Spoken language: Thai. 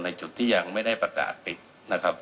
จุดที่ยังไม่ได้ประกาศปิดนะครับ